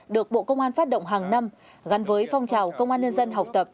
được bộ công an phát động hàng năm gắn với phong trào công an nhân dân học tập